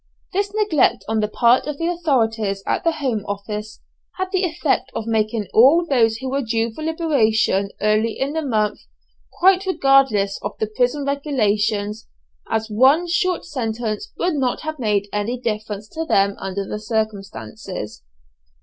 This neglect on the part of the authorities at the Home Office, had the effect of making all those who were due for liberation early in the month quite regardless of the prison regulations, as one short sentence would not have made any difference to them under the circumstances.